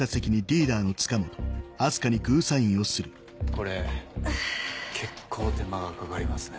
これ結構手間がかかりますね。